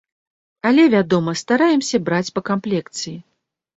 Але, вядома, стараемся браць па камплекцыі.